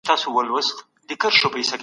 که غواړې چي بریالی سي نو کار کوه.